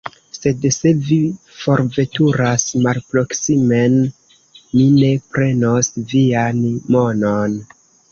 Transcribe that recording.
Sed se vi forveturas malproksimen, mi ne prenos vian monon.